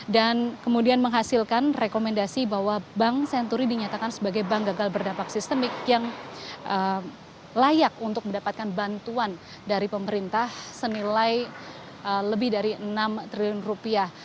dan kemudian menghasilkan rekomendasi bahwa bank senturi dinyatakan sebagai bank gagal berdampak sistemik yang layak untuk mendapatkan bantuan dari pemerintah senilai lebih dari enam triliun rupiah